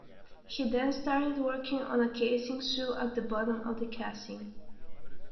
He then started working on a casing shoe, at the bottom of the casing.